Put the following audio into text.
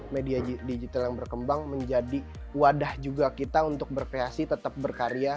media digital yang berkembang menjadi wadah juga kita untuk berkreasi tetap berkarya